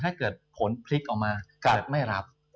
ถ้าเกิดผลพลิกออกมาเกิดไม่รับ